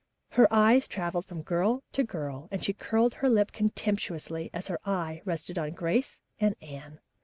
Her glance traveled from girl to girl, and she curled her lip contemptuously as her eye rested on Grace and Anne.